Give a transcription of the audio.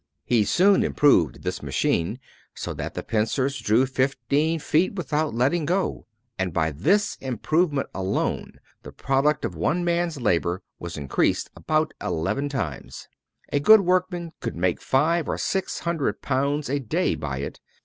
He soon improved this machine so that the pincers drew fifteen feet without letting go; and by this improvement alone the product of one man's labor was increased about eleven times. A good workman could make five or six hundred pounds a day by it.